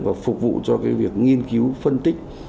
và phục vụ cho việc nghiên cứu phân tích